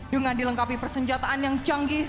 dengan dilengkapi persenjataan yang canggih